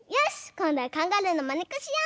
こんどはカンガルーのまねっこしよう！